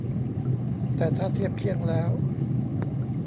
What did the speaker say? แต่ถ้าเทียบเคียงแล้ว